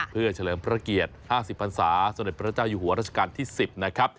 เพื่อเฉลิมพระเกียรติ๕๐พันศาสมเด็จพระเจ้าอยู่หัวราชการที่๑๐นะครับ